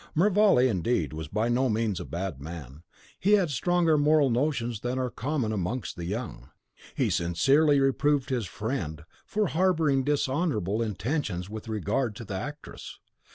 Mervale, indeed, was by no means a bad man; he had stronger moral notions than are common amongst the young. He sincerely reproved his friend for harbouring dishonourable intentions with regard to the actress.